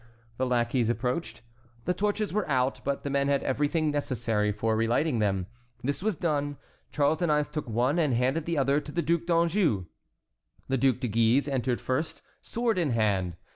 The lackeys approached. The torches were out, but the men had everything necessary for relighting them. This was done. Charles IX. took one and handed the other to the Duc d'Anjou. The Duc de Guise entered first, sword in hand.